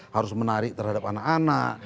harus menarik terhadap anak anak